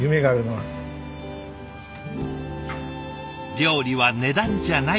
料理は値段じゃない。